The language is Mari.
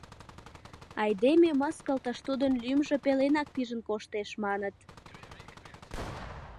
Айдеме мыскылтыш тудын лӱмжӧ пеленак пижын коштеш, маныт.